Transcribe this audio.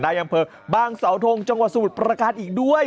นายังเผอร์บางเสาทงจังหวัดสมุทรประการอีกด้วย